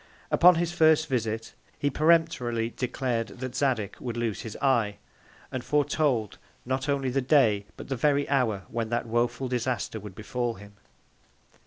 Upon his first Visit, he peremptorily declared that Zadig would lose his Eye; and foretold not only the Day, but the very Hour when that woful Disaster would befal him.